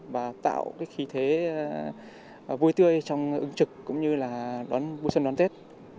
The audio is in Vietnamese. và tạo khí thế vui tươi trong ứng trực cũng như đón buổi xuân đón tết